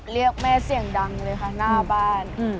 เรียกแม่เสียงดังเลยค่ะหน้าบ้าน